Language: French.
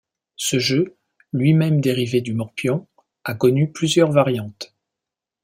Ce jeu, lui-même dérivé du morpion, a connu plusieurs variantes.